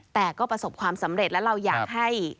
แต่ก็ประสบความสำเร็จและเราอยากให้